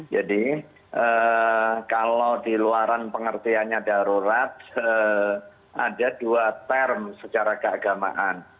jadi kalau di luaran pengertiannya darurat ada dua term secara keagamaan